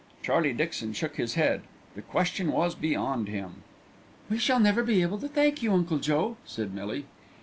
Charlie Dixon shook his head. The question was beyond him. "We shall never be able to thank you, Uncle Joe," said Millie.